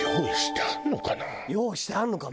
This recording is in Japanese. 用意してあるのかも。